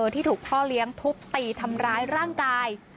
ที่ถูกพ่อเลี้ยงทุบตีทำร้ายร่างกาย